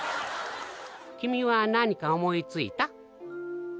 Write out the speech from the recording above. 「君は何か思い付いた？」